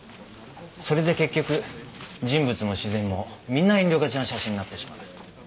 それで結局人物も自然もみんな遠慮がちな写真になってしまう。